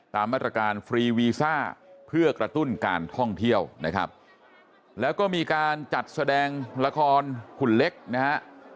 ตามมาตรการฟรีวีซ่าเพื่อกระตุ้นการท่องเที่ยวนะครับแล้วก็มีการจัดแสดงละครหุ่นเล็กนะฮะ